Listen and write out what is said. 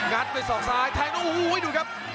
งัดไปสองซ้ายแทงโอ้โหดูครับ